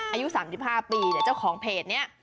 อายุ๓๕ปีแต่เจ้าของเพจเนี่ย